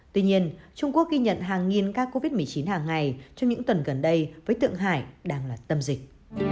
tuy nhiên trung quốc ghi nhận hàng nghìn ca covid một mươi chín hàng ngày trong những tuần gần đây với tượng hải đang là tâm dịch